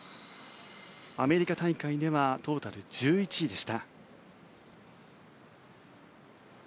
アメリカ大会ではトータル１１位でした。